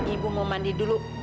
ibu mau mandi dulu